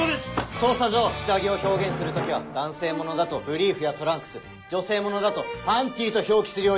捜査上下着を表現する時は男性物だと「ブリーフ」や「トランクス」女性物だと「パンティ」と表記するよう。